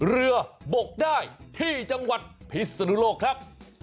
เรือบกได้ที่จังหวัดพิศนุโลกครับ